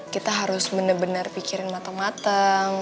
kita harus bener bener pikirin mateng mateng